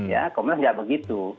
ya komnas tidak begitu